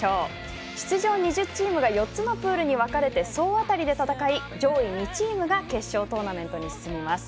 出場２０チームが４つのプールに分かれて総当たりで戦い上位２位チームが決勝トーナメントに進みます。